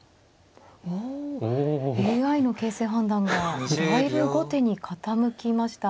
おＡＩの形勢判断がだいぶ後手に傾きました。